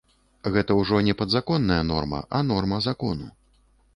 Гэта ўжо не падзаконная норма, а норма закону.